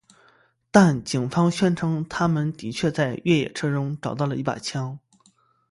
但警方宣称他们的确在越野车中找到了一把枪。